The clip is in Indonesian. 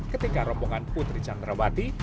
ketika rombongan putri candrawati